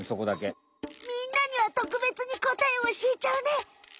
みんなにはとくべつに答えおしえちゃうね。